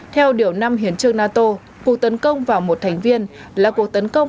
theo điều năm hiến trương nato cuộc tấn công vào một thành viên là cuộc tấn công